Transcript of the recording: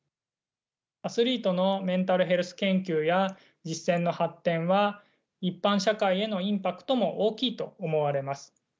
アスリートのメンタルヘルス研究や実践の発展は一般社会へのインパクトも大きいと思われます。